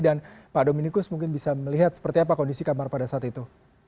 dan pak dominikus mungkin bisa melihat seperti apa kondisi kamar pada saat itu